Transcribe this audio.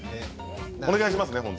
お願いしますね、本当に。